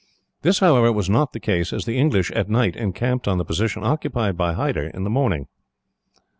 This, however, was not the case, as the English, at night, encamped on the position occupied by Hyder in the morning.